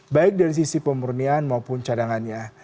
baik dari sisi pemurnian maupun cadangannya